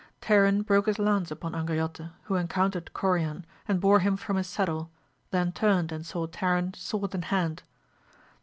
Tarin broke his lance upon Angriote, who encountered Corian, and bore him from his saddle, then turned and saw Tarin sword in hand.